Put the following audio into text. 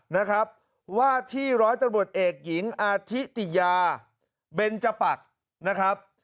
นะครับว่าที่ร้อยตำรวจเอกหญิงอาทิติยาเบนจปักนะครับ